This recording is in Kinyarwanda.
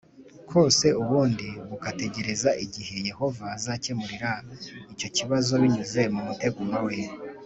kose ubundi bagategereza igihe Yehova azakemurira icyo kibazo binyuze ku muteguro we